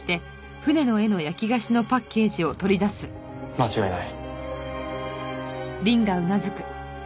間違いない？